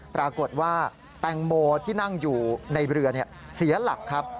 ปรากฏว่าแตงโมที่นั่งอยู่ในเรือเสียหลักครับ